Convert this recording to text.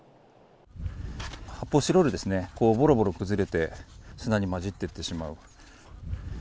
発泡スチロールですね、ぼろぼろ崩れて砂に混じっていってしまう。